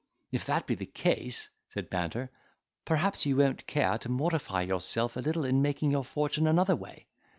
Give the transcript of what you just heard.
"If that be the case," said Banter, "perhaps you won't care to mortify yourself a little in making your fortune another way.